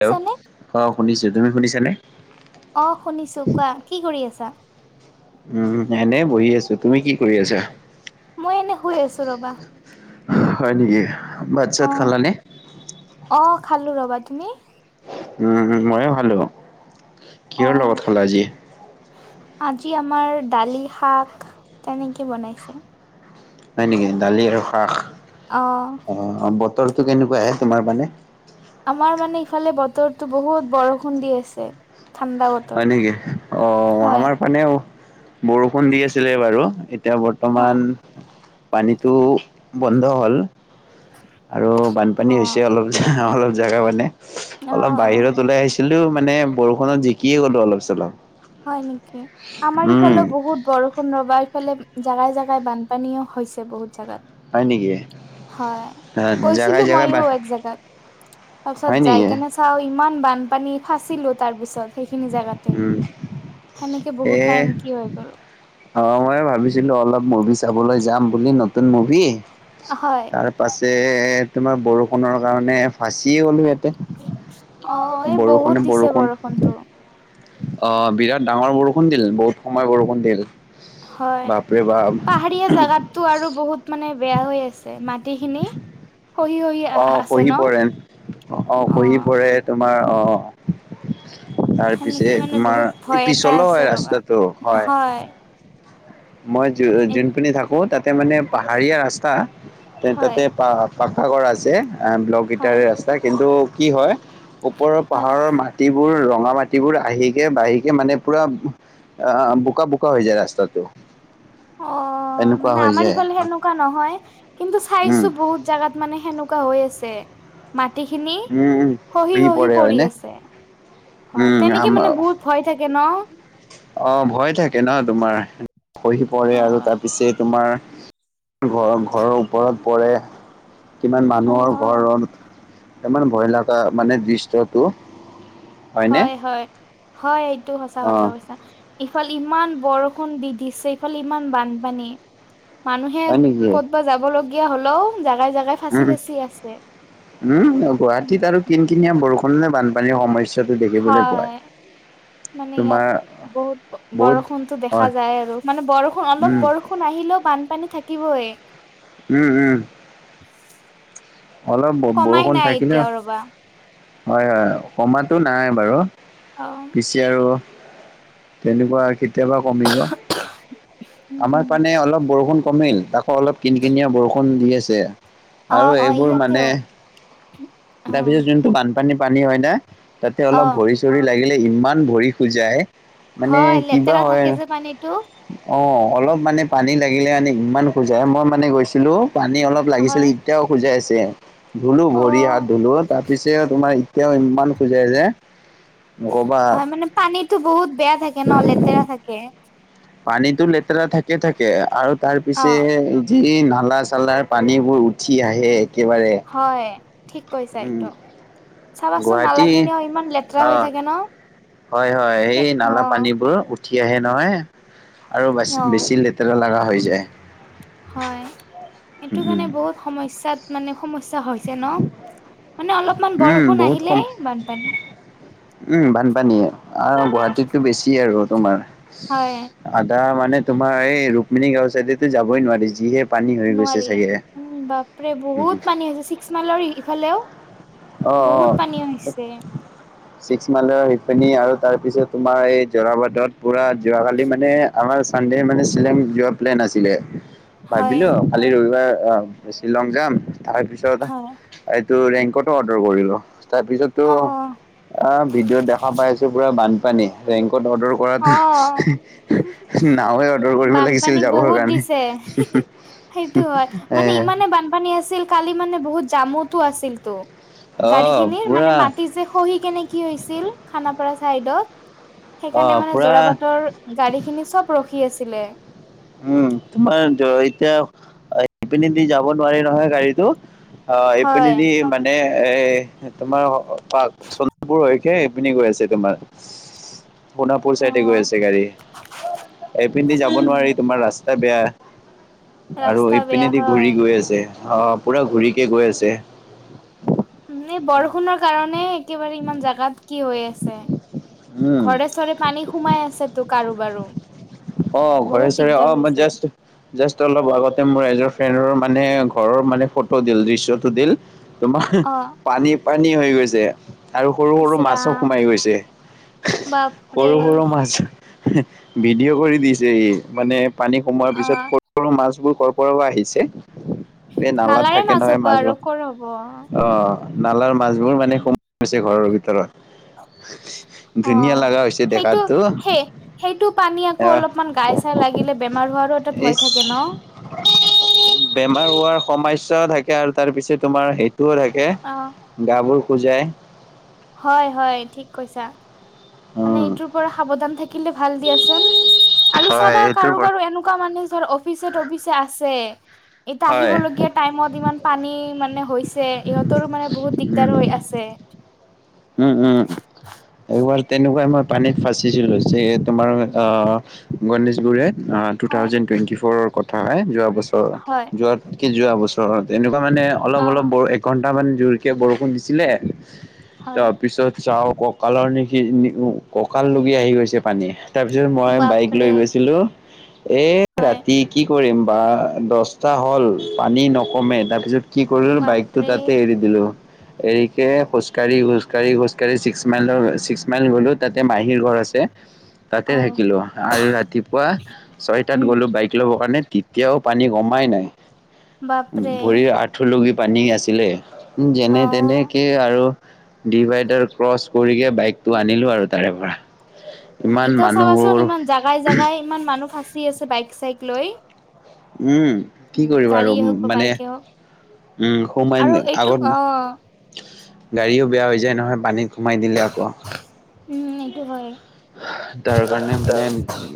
Hello? শুনিছানে? অ', শুনিছো, তুমি শুনিছানে? অ', শুনিছোঁ, কোৱা। কি কৰি আছা? উম, এনে বহি আছো। তুমি কি কৰি আছা? মই এনে শুই আছো ৰবা। হয় নেকি? ভাত-ছাত অ' খালানে? অ', খালোঁ ৰ'বা। তুমি? উম, মইও খালোঁ। কিহৰ অ' লগত খালা আজি? আজি আমাৰ দালি-শাক তেনেকে বনাইছে। হয় নেকি? দালি আৰু শাক। অ'। অ', অ', বতৰটো কেনেকুৱা [unintelligible] তোমাৰ মানে? আমাৰ মানে, ইফালে বতৰতো বহুত বৰষুণ দি আছে। ঠাণ্ডা বতৰ হয় নেকি? অ', হয় আমাৰ মানে বৰষুণ দি আছিলে বাৰু, এতিয়া বৰ্তমান অ' পানীটো বন্ধ হ'ল, আৰু বানপানী হৈছে অ' অলপ। অলপ জাগা মানে, অলপ অ' অ' বাহিৰত ওলাই আহিছিলোঁ মানে বৰষুণত জিকি কি [unintelligible] অলপ-চলপ। হয় নেকি? আমাৰ ইফালেও বহুত বৰষুণ। কোনোবাফালে জাগাই জাগাই বানপানীও হৈছে বহুত জাগাত। হয় নেকি? হয়। জেগাই গৈছিলো জেগাই বা মইও এক জেগাত তাৰপিছত হয় নেকি? যাই কেনে হয়, ইমান বানপানী ফাচিলো তাৰ পিছত সেইখিনি জোগাত। উম, সেনেকে এ বহুত টাইম কি হয় গ'ল। অ' ময়ো ভাবিছিলো অলপ মুভি চাবলৈ যাম বুলি নতুন মুভি। হয়। তাৰ পাছে তোমাৰ বৰষুণৰ কাৰণে ফাঁচিয়ে গ'লো ইয়াতে বৰষুণে বৰষুণ। কোনটো? অ' বিৰাট ডাঙৰ বৰষুণ দিলে বহুত সময় বৰষুণ দিলে। হয়, পাহাৰীয়া জেগাত আৰু বহুত মানে বেয়া হৈ আছে। মাটি খিনি খহি খহি আহ আছে ন খহি পৰে অ' অ খহি পৰে তোমাৰ আহ তাৰ সেনেকে পিছে মানে তোমাৰ বহুত ভয় এটা পিছলো আছে হয় ৰবা ৰাস্তাটো। হয় মই যোনপিনে থাকো তাতে মানে পাহাৰীয়া ৰাস্তা। হয় তাতে প পাকা ঘৰ আছে ব্লক হয় ইটাৰে ৰাস্তা, কিন্তু কি হয় ওপৰৰ অ পাহাৰৰ ম মাটিবোৰ ৰঙা মাটিবোৰ আহিকে বাঢ়িকে মানে পুৰা অ' বোকা বোকা হৈ যায় ৰাস্তাটো। অ' এনেকুৱা মানে হৈ আমাৰ যায় ইফালে সেনেকুৱা নহয়, কিন্তু উম চাইছো বহুত জাগাত মানে সেনেকুৱা হৈ আছে। মাটিখিনি উম উম সহি খহি সহি পৰে পৰি হয়নে আছে, হয়। উম আম তেনেকে মানে বহুত ভয় থাকে ন? অ' ভয় থাকে ন তোমাৰ খহি অ পৰে আৰু তাৰ পিছে তোমাৰ ঘ-ঘৰৰ ওপৰত পৰে, কিমান অ মানুহৰ ঘৰত ইমান ভয় লগা মানে দৃশ্যটো। হয়নে হয়, হয়, হয় এইটো সঁচা অ কথা কৈছা। ইফালে ইমান বৰষুণ দি দিছে ইফালে ইমান বানপানী। মানুহে হয় নেকি ক'তবা যাব লগীয়া হ'লেও জাগাই জাগাই ফাঁচি উম, ফাঁচি আছে উম উম গুৱাহাটীত আৰু কিনকিনীয়া বৰষুণ হ'লে বানপানীৰ সমস্যা দেখিবলৈ পোৱায়। হয় মানে ইয়াত বহুত বহুত বৰষুণতো দেখা হয় যায় আৰু, মানে বৰষুণ অলপ উম বৰষুণ ষুণ আহিলেও বানপানী থাকিবই। উম, উম। অলপ কমাই বৰষুণ নাই থাকিলে, এতিয়াও ৰবা হয় হয় কমো নাই বাৰু। অ'। পিচে আৰু তেনেকুৱা কেতিয়াবা কমিব, উম আমাৰ পানে অলপ বৰষুণ কমিল। অ' অলপ কিন কিনিয়া বৰষুণ দি আছে। অ', অ'। মোৰ মানে ইয়াতেও অ তাৰপিছত যোনটো বানপানী পানী হয় ন তাতে অ অলপ ভৰি ৰি লাগিলে ইমান ভৰি খোজায়, মানে হয় কিবা লেতেৰা হয়। থাকে যে পানীটো অ' অলপ মানে পানী লাগিলে মানে ইমান খজুৱাই, মই মানে গৈছিলো পানী অলপ লাগিছিল হয় এতিয়াও খোজাই আছে। ধুলো ভৰি হাত অ' ধুলো তাত পিছে তোমাৰ এতিয়াও ইমান খজুৱাই যে নক'বা। হয় মানে পানীতো বহুত বেয়া থাকে ন লেতেৰা থাকে। পানীতো লেতেৰা থাকে থাকে আৰু তাৰ পিছে অ' যি নালা চালাৰ পানীবোৰ উঠি আহে একেবাৰে হয় ঠিক কৈছা উম এইটো চাবাচোন নালা গুৱাহাটী খিনি অ ইমান লেতেৰা হৈ অ', থাকে ন হয় হয় এই সেই নালা অ' পানীবোৰ উঠি আহে নহয় আৰু বাছি অ' বেছি লে তেৰা লাগা হৈ যায় হয় এইটো উম, কাৰণে বহুত সমস্যাত মানে সমস্যা হৈছে ন মানে অলপমান উম, বৰষুণ বহুত আহিলে কম বানপানী। উম বানপানীয়ে আৰু গুৱাহাটীততো বেছিয়ে আৰু তোমাৰ হয় আদা মানে তোমাৰ এই ৰুক্মিণী গাঁওৰ চাইডে তো যাবই নোৱাৰি যিহে পানী হৈ গৈছে নোৱাৰি চাগে। উম বাপৰে বহুত পানী হৈছে ছিক্স মাইলৰ ইফালেও অ অ বহুত পানী হৈছে ছিক্স মাইলৰ সিপিনি আৰু তাৰ পিছত তোমাৰ এই যোৰাবাটত পুৰা যোৱাকালি মানে আমাৰ ছানডে মানে শ্বিলং যোৱা প্লেন আছিলে হয় ভাবিলো কালি ৰবিবাৰ অ শ্বিলং যাম তাৰপিছত হয় এইটো ৰেংকত অৰ্ডাৰ কৰিলো তাৰ পিছতো অ' অ ভিডিঅ'ত দেখা পাই আছো পুৰা বানপানী ৰেংকত অৰ্ডাৰ কৰাটো অ' নাওৱে অৰ্ডাৰ কৰিব লাগিছিল বানপানী যাবৰ বহুত কাৰণে দিছে। উম হু সেইটো হয় মানে ইমানে বানপানী হৈছিল কালি মানে বহুত জামোতো আছিল তো গাড়ী আহ খিনিৰ মানে পুৰা মাটি যে খহি কেনে কি হৈছিল খানাপাৰা চাইডত সেইকাৰণে আহ মানে পুৰা জোৰা বাটৰ গাড়ী খিনি চব ৰখি আছিলে উম তোমাৰ এতিয়া ইপিনে দি যাব নোৱাৰি নহয় গাড়ীটো অ এইপিনে হয় দি মান মানে এ তোমাৰ পাক চলবোৰ হৈছে এইপিনে গৈছে তোমাৰ [inaudible] সোণাপুৰ অ চাইডে গৈ আছে গাড়ী এইপিনদি যাব উম নোৱাৰি তোমাৰ ৰাস্তা বেয়া আৰু ৰাস্তা বেয়া ইপিনেদি হয় ঘূৰি গৈ আছে আহ পুৰা ঘূৰি কে গৈ আছে এই বৰষুণৰ কাৰণে একেবাৰে ইমান জেগাত কি হৈ আছে উম ঘৰে চৰে পানী সোমাই আছে তো কাৰো বাৰো অ ঘৰে চৰে অ মই জাষ্ট জাষ্ট অলপ আগতে মোৰ এজন ফ্ৰেণ্ডৰ মানে ঘৰৰ মানে ফটো দিল দৃশ্যটো দিল তোমাৰ অ পানী পানী হৈ গৈছে আৰু সৰু ইচ সৰু মাছো ৰাম সোমাই গৈছে বাপৰে সৰু সৰু মাছ ভিডিঅ' কৰি দিছে সি মানে পানী সোমোৱাৰ অ পিছত ক'ত মাছবোৰ কৰ পৰা আহিছে এই নালাত নালাৰে থাকে নহয় হ'ব মাছ আৰু বোৰ ক'ৰ হ'ব অ নালাৰ মাছবোৰ মানে সোমাই গৈছে ঘৰৰ ভিতৰত অ ধুনীয়া লাগা হৈছে সেইটো দেখাতো সেই সেইটো পানী আকৌ আহ অলপমান গাই চাই লাগিলে বেমাৰ হোৱাৰো এটা ভয় ইচ থাকে ন বেমাৰ হোৱাৰ সমাস্যাও থাকে আৰু তাৰ পিছে তোমাৰ সেইটোও থাকে অ গাবোৰ খুজাই হয় হয় ঠিক কৈছা মানে উম এইটোৰ পৰা সাৱধান থাক কিন্তু ভাল দিয়াচোন আৰু হয় চাবা সেইটোৰ কাৰো পৰা কাৰো এনেকুৱা মানে যাৰ [unintelligible] ফিছে টফিছে আছে, ইয়াত হয় আহিবলগীয়া টাইমত ইমান পানী মানে হৈছে, ইহঁতৰো মানে বহুত দিগদাৰ হৈ উম আছে। উম, উম, এবাৰ তেনেকুৱাই মই পানীত ফাচিছিলো, চে তোমাৰ আ গণেশগুৰেত আ টু হয় থাউজেণ্ড টুৱেণ্টি ফ'ৰৰ কথা হয়, যোৱা বছৰ হয় যোৱাতকে যোৱা বছৰত এনেকুৱা মানে অলপ অ অলপ ব এঘণ্টামান জোৰকে বৰষুণ দিছিলে হয় তাৰপিছত চাও কঁকালৰ নিশি কঁকাল লৈকে আহি গৈছে পানী। তাৰপিছত মই বাইক বাপৰে লৈ গৈছিলোঁ, এ, হয় ৰাতি কি কৰিম, বা দচটা হ'ল পানী নকমে তাৰপিছত কি কৰিলোঁ, বাইকটো বাপৰে তাতে এৰি দিলোঁ, এৰিকে খোজকাৰি, খোজকাৰি, খোজকাৰি চিক্স মাইলৰ ছিক্স মাইল গ'লোঁ তাতে মাহীৰ ঘৰ আছে, অ তাতে থাকিলোঁ আৰু ৰাতিপুৱা ছয়টাত উম গ'লো বাইক ল'বৰ কাৰণে তেতিয়াও পানী কমাই নাই। বাপৰে ভৰিৰ আঁঠুুলৈকে পানী আছিলে। যেনে অ', তেনেকে আৰু ডিভাইডাৰ ক্ৰচ কৰিকে বাইকটো আনিলোঁ আৰু তাৰেপৰা। উম, এতিয়া চাবাচোন ইমান জাগাই জাগাই ইমান মানুহ ফাঁচি আছে বাইক চাইক লৈ। উম। কি কৰিবা আৰু গাড়ীয়ে হওক বা মানে, বাইকে হওক উম, সোমাইন আৰু এইটো আগত অ', গাড়ীও বেয়া হৈ যায় নহয় পানীত সোমাই দিলে আকৌ। উম, এইটো হয়। তাৰ কাৰণে মানে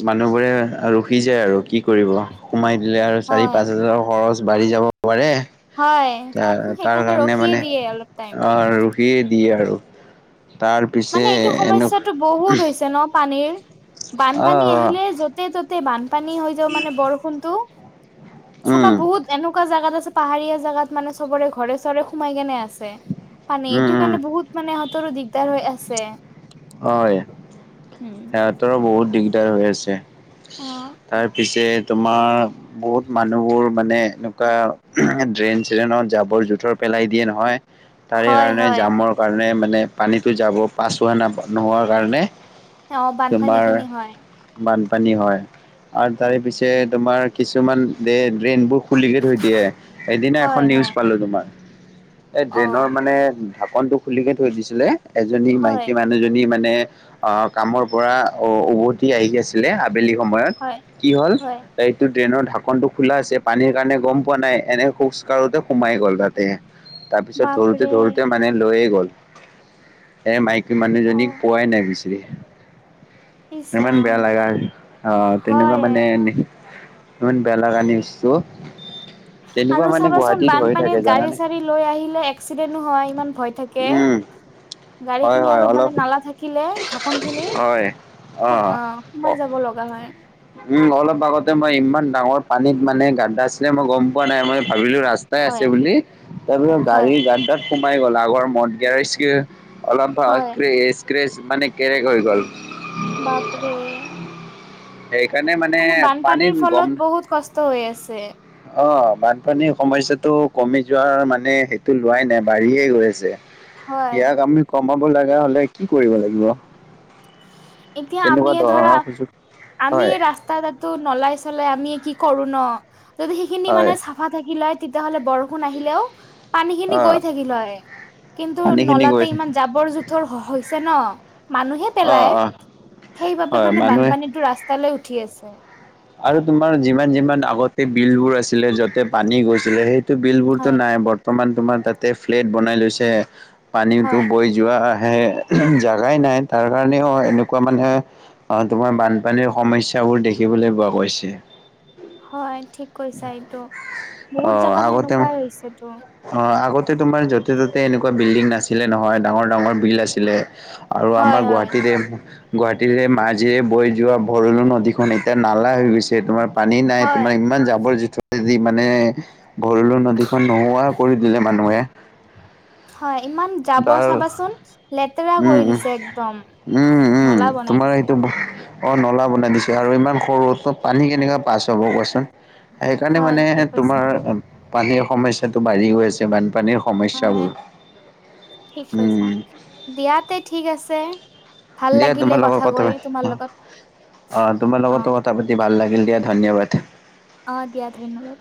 মানুহবোৰে ৰখি যায় আৰু কি কৰিব। সোমাই দিলে আৰু চাৰি হয়, পাঁচ হাজাৰৰ খৰচ বাঢ়ি যাব পাৰে। হয়। তাৰ তাৰ সেইকাৰণে কাৰণে ৰখিয়ে মানে দিয়ে অলপ টাইম [unintelligible] দিয়ে দিয়ে আৰু। তাৰ পিছে মানে এইটো এনে সমস্যাটো বহুত হৈছে ন' পানীৰ? অ বানপানী আহিলে য ত'তে ত'তে বানপানী হৈ যাওঁ মানে বৰষুণটো। চাবা উম বহুত এনেকুৱা জাগাত আছে, পাহাৰীয়া জাগাত মানে চবৰে ঘৰে চৰে সোমাই কেনে আছে। ছে, পানী উম, এইটো উম, কাৰণে বহুত মানে ইহঁতৰো দিগদাৰ হৈ আছে। হয়, উম, সিহঁতৰো বহুত দিগদাৰ হৈ আছে। অ', তাৰপিছে তোমাৰ বহুত মানুহবোৰ মানে এনেকুৱা ড্ৰেইন চ্ৰেইনত জাবৰ জোথৰ পেলাই দিয়ে নহয়। তাৰে হয়, কাৰণে, হয়। জামৰ কাৰণে মানে পানীটো যাব পাছ হোৱা ন-নোহোৱাৰ কাৰণে অ' তোমাৰ বানপানীখিনি হয়। বানপানী হয় আৰু তাৰে পিছে উম তোমাৰ কিছুমান ড্ৰে ড্ৰেইনবুক খুলিকে থৈ দিয়ে। সেইদিনা এখন হয় নিউজ হয় পালোঁ তোমাৰ, এই অ ড্ৰেইনৰ মানে ঢাকনটো খুলিকে থৈ দিছিলে, এজনী হয় মাইকী মান নুহজনী মানে আ, কামৰপৰা অ' উভতি আহি আছিলে বেলি সময়ত, হয় কি হ'ল হয় এইটো ড্ৰেইনৰ ঢাকনটো খোলা আছে, পানীৰ কাৰণে গ'ম পোৱা নাই, এনে খোজকাঢ়োতে সোমাই গ'ল তাতে। তাৰপিছত ধৰোতে বাপৰে ধৰোতে মানে লৈয়ে গ'ল। এ, মাইকী অ মানুহজনীক পোৱাই নাই বিচাৰি। ইমান ইচৰাম বেয়া লাগা, অ' তেনেকুৱা হয় মানে নে ইমান বেয়া লগা নিউজটো। তেনেকুৱা আৰু মানে চাবাচোন গুৱাহাটীত হৈ বানপানীত থাকে গাড়ী জানানে চাড়ী লৈ আহিলে এক্সিডেন্টো হয়, ইমান ভয় থাকে। উম। গাড়ী হয় খিনি হয় আৰু মানে অলপ নালা থাকিলে ঢাকন খিনি হয় সো অ সোমাই অ যাব লগা হয়। উম, অলপ আগতে মই ইমান ডাঙৰ পানীত মানে গাড্ডা আছিলে মই গ'ম পোৱা নাই, মই ভাবিলো ৰাস্তা টাই হয় আছে বুলি তাৰপিছত হয় গাড়ী গাত গাত সোমাই গ'ল। আগৰ মদ গিয় অলপ হয় ক্ৰে ক্ৰেচ মানে কেৰেক হৈ গ'ল। বাপৰে। সেইকাৰণে মানে পানীত বানপানীৰ গম ফলত বহুত কষ্ট হৈ আছে। অ' বানপানীৰ সমস্যাটো কমি যোৱাৰ মানে সেইটো লোৱাই নাই বাঢ়িয়ে গৈ আছে। হয় ইয়াক আমি কমাব লগা হ'লে কি কৰিব লাগিব? এতিয়া আমি কেনেকুৱা ধৰণৰ ধৰা সুযোগ আমি হয় ৰাস্তা ত তাতো নলাই চলাই আমি কি কৰো ন, যদি সেইখিনি হয় মানে চা ফা থাকিলে তেতিয়াহ'লে বৰ ষুণ আহিলেও পানী খিনি অ গৈ থাকিল হয়, কিন্তু পানীখিনি নলাতে গৈ থাকে। ইমান জাবৰ থৰ হৈছে ন, মানুহে পেলাই অ', অ'। সেইবাবে হয় মানে মানুহে বানপানীতটো ৰাস্তালৈ উঠি আছে। আৰু তোমাৰ যিমান যিমান আগতে বিলবোৰ আছিলে য'তে পানী গৈছিলে সেই বিল বোৰতো হয় নাই, বৰ্তমান তোমাৰ তাতে ফ্লেট বনাই লৈছে পানীতো হয় বৈ যোৱা আহে জাগাই নাই তাৰ কাৰণেও এনেকুৱা মানে অ' তোমাৰ বানপানীৰ সমস্যাবোৰ দেখিবলৈ পোৱা গৈছে। হয়। ঠিক কৈছা এইটো অ বহুত জাগাত আগতে সেনেকুৱাই হৈছেতো। অ' আগতে তোমাৰ য'তে ত'তে এনেকুৱা বিল্ডিং নাছিলে নহয় ডাঙৰ ডাঙৰ বিল আছিলে। আৰু হয় আমাৰ হয় গুৱাহাটীতে গুৱাহাটীৰ মাৰাজিৰে বৈ যোৱা ভৰলু নদীখন এতিয়া নালা হৈ গৈছে। তোমাৰ পানী নাই। হয় তোমাৰ ইমান জাব জোথৰেদি মানে ভৰলু নদীখন নোহোৱা কৰি দিলে মানুহে। হয়। ইমান তাৰ জাবৰ চাবাচোন লেতেৰা উম কৰি উম দিছে একদম। উম, উম নলা বনাই তোমাৰ দিছে এইটো অ' নলা বনাই দিছে আৰু ইমান সৰুতো পানী কেনেকৈ পাছ হ'ব কোৱাচোন? সেইকাৰণে হয় মানে ঠিক কৈছা তোমাৰ পানীৰ সমস্যাটো বাঢ়ি গৈ আছে বানপানীৰ হয় সমস্যাবোৰ। ঠিক কৈছা, উম। দিয়াতে ঠিক আছে। ভাল দিয় লাগিলে তোমাৰ কথা লগত কৈ তোমাৰ ক লগত অ তোমাৰ অ লগত কথা পাতি ভাল লাগিল দিয়া ধন্যবাদ। অ' দিয়া ধন্যবাদ।